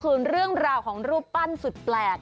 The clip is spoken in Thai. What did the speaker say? ส่วนเรื่องราวของรูปปั้นสุดแปลก